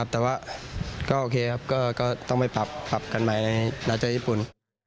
แต่ว่าก็โอเคครับก็ต้องไปปรับกันใหม่ในนาเจอญี่ปุ่น